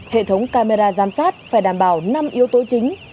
hệ thống camera giám sát phải đảm bảo năm yếu tố chính